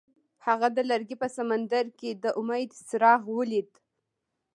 هغه د لرګی په سمندر کې د امید څراغ ولید.